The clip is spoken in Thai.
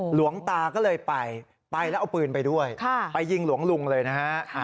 หลวงตาก็เลยไปไปแล้วเอาปืนไปด้วยไปยิงหลวงลุงเลยนะฮะ